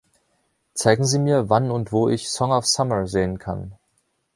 Zeigen Sie mir, wann und wo ich „Song of Summer“ sehen kann